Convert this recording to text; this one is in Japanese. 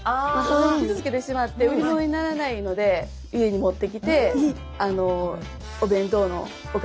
傷つけてしまって売り物にならないので家に持ってきてお弁当のおかずとか家の食材に。